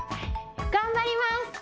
頑張ります。